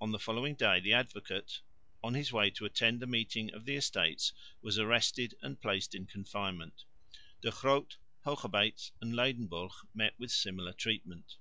On the following day the Advocate, on his way to attend the meeting of the Estates, was arrested and placed in confinement. De Groot, Hoogerbeets and Ledenburg met with similar treatment.